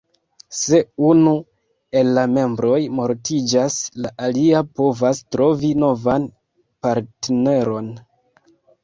Se unu el la membroj mortiĝas, la alia povas trovi novan partneron.